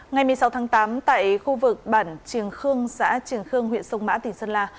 ngày một mươi sáu tháng tám tại khu vực bản trường khương xã trường khương huyện sông mã tỉnh sơn la